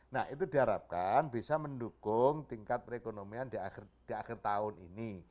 nah itu diharapkan bisa mendukung tingkat perekonomian di akhir tahun ini